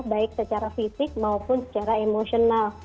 baik secara fisik maupun secara emosional